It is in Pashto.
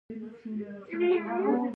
د صبر لپاره څه شی اړین دی؟